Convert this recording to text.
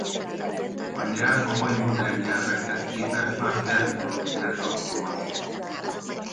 A nyelv a mai modern nyelvekhez képes más terminológiát alkalmaz.